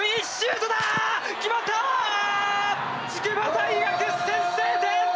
筑波大学先制点！